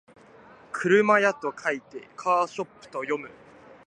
車屋と書いてカーショップと読む